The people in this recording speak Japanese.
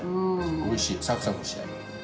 おいしいサクサクして。